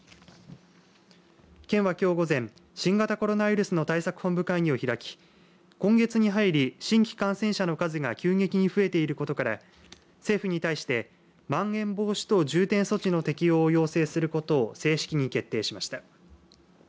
県は、きょう午前新型コロナウイルスの対策本部会議を開き今月に入り新規感染者の数が急激に増えていることから政府に対してまん延防止等重点措置の適用を要請することを正式に決定しました。